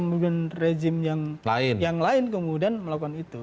mungkin rejim yang lain kemudian melakukan itu